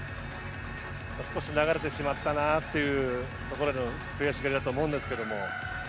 少し流れてしまったなというところの悔しがりだと思うんですけど。